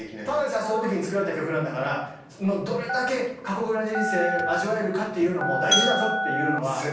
ただでさえそういうときに作られた曲なんだからどれだけ過酷な人生味わえるかっていうのも大事だぞっていうのは。